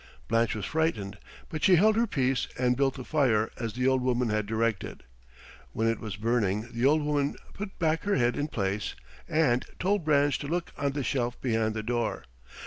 Blanche was frightened, but she held her peace and built the fire as the old woman had directed. When it was burning the old woman put back her head in place, and told Blanche to look on the shelf behind the door.